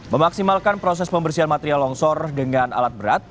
memaksimalkan proses pembersihan material longsor dengan alat berat